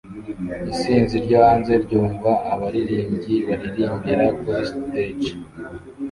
Isinzi ryo hanze ryumva abaririmbyi baririmbira kuri stage